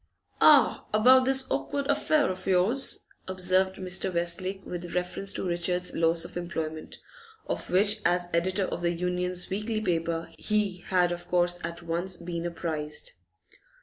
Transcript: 'Ah, about this awkward affair of yours,' observed Mr. Westlake with reference to Richard's loss of his employment, of which, as editor of the Union's weekly paper, he had of course at once been apprised.